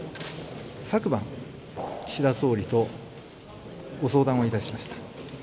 昨晩、岸田総理とご相談をいたしました。